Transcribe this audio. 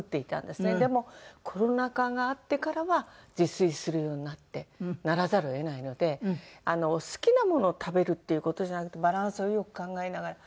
でもコロナ禍があってからは自炊するようになってならざるを得ないので好きなものを食べるっていう事じゃなくてバランスをよく考えながら。